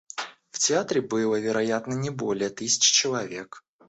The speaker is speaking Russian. В театре было, вероятно, не более тысячи человек.